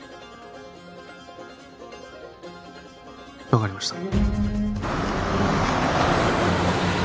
分かりました